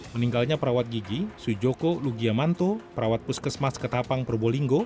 meninggalnya perawat gigi sujoko lugiamanto perawat puskesmas ketapang probolinggo